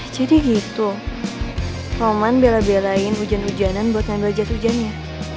jadi gitu roman bela belain hujan hujanan buat ngambil jas hujannya